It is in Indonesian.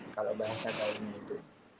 kalau bahasa tahun itu